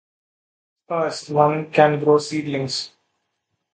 First, one can grow seedlings.